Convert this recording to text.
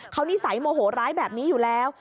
เขานิสัยโมโหร้ายแบบนี้อยู่แล้ว